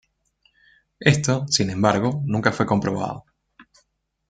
Esto, sin embargo, nunca fue comprobado.